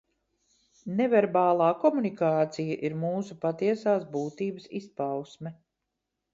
Neverbālā komunikācija ir mūsu patiesās būtības izpausme.